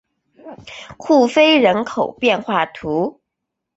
库菲人口变化图示